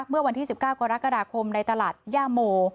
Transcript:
เมื่อวันที่๑๙กรกฎาคมในตลาดย่าโม